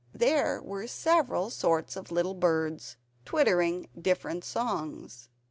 There were several sorts of little birds, twittering different songs.